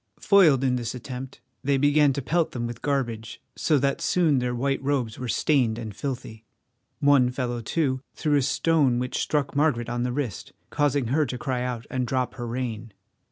Foiled in this attempt they began to pelt them with garbage, so that soon their white robes were stained and filthy. One fellow, too, threw a stone which struck Margaret on the wrist, causing her to cry out and drop her rein.